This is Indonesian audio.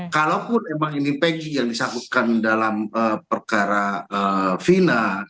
kalaupun memang ini peggy yang disahkutkan dalam perkara vina